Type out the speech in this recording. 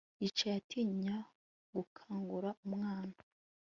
Yicaye atinya gukangura umwana